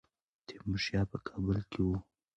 تیمورشاه په کابل کې وو.